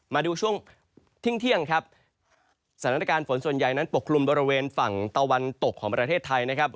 มาดูช่วงเที่ยงครับสถานการณ์ฝนส่วนใหญ่นั้นปกคลุมบริเวณฝั่งตะวันตกของประเทศไทยนะครับ